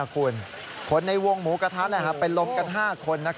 คนในวงหมูกระทะเป็นลมกัน๕คน